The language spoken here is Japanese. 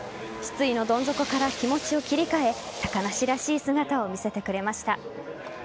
失意のどん底から気持ちを切り替え高梨らしい姿を見せてくれました。